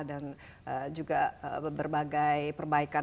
dan juga berbagai perbaikan